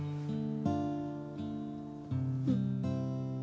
うん。